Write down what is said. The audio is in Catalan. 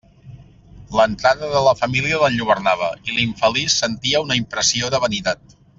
L'entrada de la família l'enlluernava, i l'infeliç sentia una impressió de vanitat.